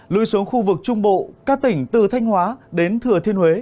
lui xuống khu vực trung bộ các tỉnh từ thanh hóa đến thừa thiên huế